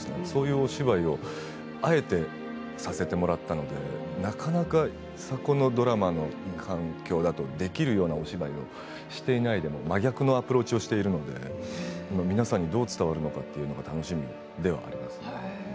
そういうお芝居をあえてさせてもらったのでなかなか昨今のドラマの環境だとできるようなお芝居をしていない真逆なアプローチをしているので皆さんにどう伝わるのかというのが楽しみではあります。